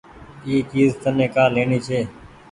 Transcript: اي چيز تني ڪآ ليڻي ڇي۔